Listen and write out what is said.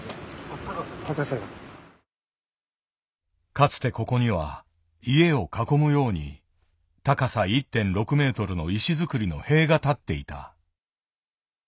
かつてここには家を囲むように高さ１．６メートルの石造りの塀がたっていた。